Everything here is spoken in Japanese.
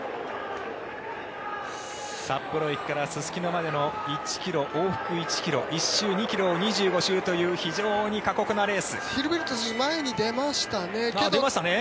札幌駅からすすきのまでの往復１ｋｍ１周２ｋｍを２５周という非常に過酷なレース。